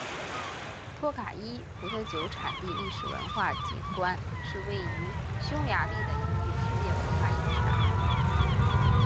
托卡伊葡萄酒产地历史文化景观是位于匈牙利的一处世界文化遗产。